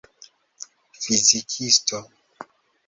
fizikisto